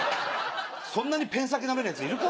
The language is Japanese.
そんなにペン先なめるヤツいるか？